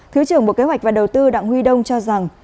thứ trưởng bộ kế hoạch và đầu tư đặng huy đông cho rằng